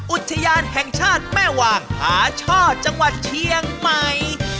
อุทยานแห่งชาติแม่วางผาช่อจังหวัดเชียงใหม่